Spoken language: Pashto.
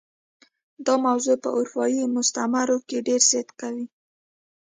دا موضوع په اروپايي مستعمرو کې ډېر صدق کوي.